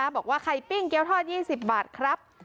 บอกว่าไข่ปิ้งเกี้ยวทอด๒๐บาทครับ